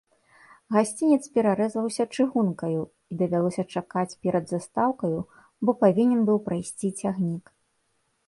Гасцінец перарэзваўся чыгункаю, і давялося чакаць перад застаўкаю, бо павінен быў прайсці цягнік.